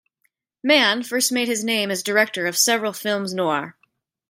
Mann first made his name as director of several films noir.